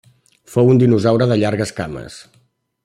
Fou un dinosaure de llargues cames.